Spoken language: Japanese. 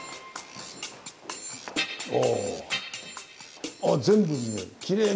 お。